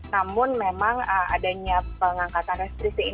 namun memang adanya pengangkatan restriksi ini